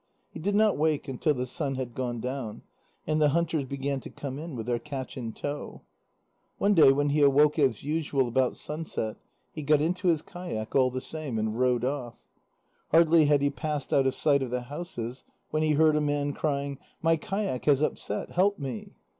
He did not wake until the sun had gone down, and the hunters began to come in with their catch in tow. One day when he awoke as usual about sunset, he got into his kayak all the same, and rowed off. Hardly had he passed out of sight of the houses, when he heard a man crying: "My kayak has upset, help me."